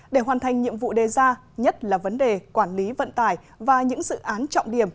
để hoàn thành nhiệm vụ đề ra nhất là vấn đề quản lý vận tải và những dự án trọng điểm